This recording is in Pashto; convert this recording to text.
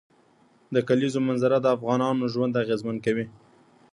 د کلیزو منظره د افغانانو ژوند اغېزمن کوي.